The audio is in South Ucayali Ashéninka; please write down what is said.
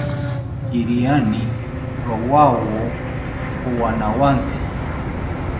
Iriani rowawo owanawontzi